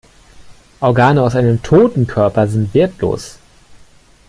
Organe aus einem toten Körper sind wertlos.